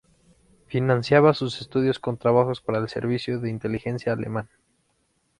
Financiaba sus estudios con trabajos para el servicio de inteligencia alemán.